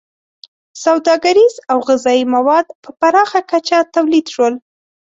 • سوداګریز او غذایي مواد په پراخه کچه تولید شول.